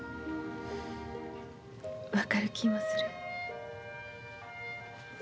分かる気もする。